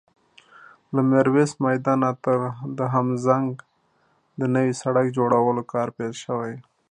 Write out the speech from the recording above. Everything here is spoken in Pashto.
له ميرويس میدان نه تر دهمزنګ د نوي سړک جوړولو کار پیل شوی